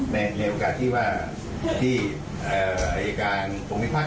ในโอกาสที่ว่าที่อายการตรงมิพักษ์